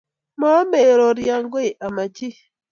Maomei rorion koi, ame chi